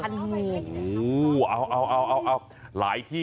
จ้ะถ้านี้